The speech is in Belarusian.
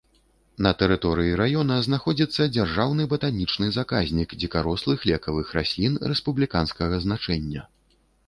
На тэрыторыі раёна знаходзіцца дзяржаўны батанічны заказнік дзікарослых лекавых раслін рэспубліканскага значэння.